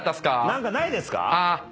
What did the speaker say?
何かないですか？